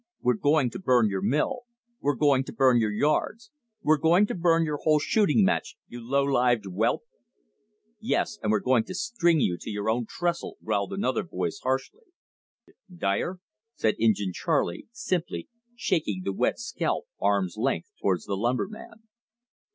"We're going to burn your mill; we're going to burn your yards; we're going to burn your whole shooting match, you low lived whelp!" "Yes, and we're going to string you to your own trestle!" growled another voice harshly. "Dyer!" said Injin Charley, simply, shaking the wet scalp arm's length towards the lumbermen.